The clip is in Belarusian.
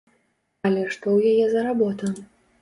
Але што ў яе за работа?